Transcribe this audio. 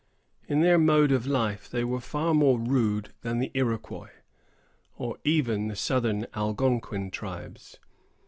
In their mode of life, they were far more rude than the Iroquois, or even the southern Algonquin tribes.